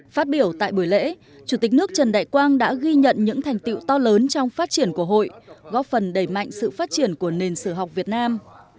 phát biểu tại buổi lễ chủ tịch nước trần đại quang đã ghi nhận những thành tiệu to lớn trong phát triển của hội góp phần đẩy mạnh sự phát triển của nền sử học việt nam